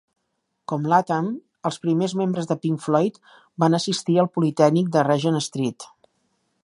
Com Latham, els primers membres de Pink Floyd van assistir al Politècnic de Regent Street.